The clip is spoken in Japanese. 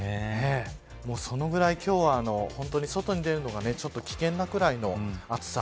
もうそのぐらい今日は本当に外に出るのがちょっと危険なぐらいの暑さ。